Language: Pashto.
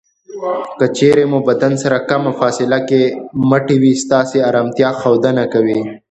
که چېرې مو بدن سره کمه فاصله کې مټې وي ستاسې ارامتیا ښودنه کوي.